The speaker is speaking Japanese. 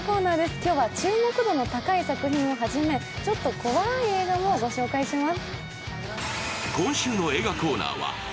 今日は注目度の高い作品をはじめちょっと怖い映画もご紹介します。